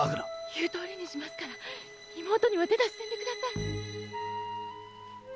言うとおりにしますから妹には手出しせんでください。